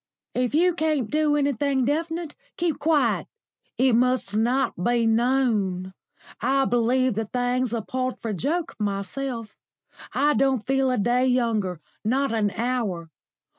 If you can't do anything definite, keep quiet. It must not be known. I believe the thing's a paltry joke myself. I don't feel a day younger not an hour.